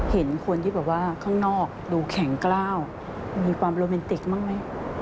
เห็นคนที่บอกว่าข้างนอกดูแข็งกล้าวมีความโรเมนติกมากมั้ย